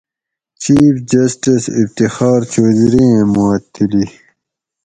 چیف جسٹس افتخار چوہدری ایں معطلی